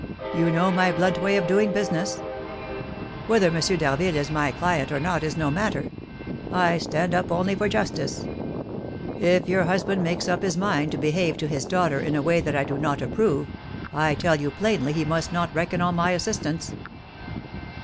You know my blunt way of doing business? Whether M. d'Harville is my client or not is no matter. I stand up only for justice. If your husband makes up his mind to behave to his daughter in a way that I do not approve, I tell you plainly he must not reckon on my assistance.